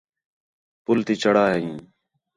پُل تی چڑھا ہیں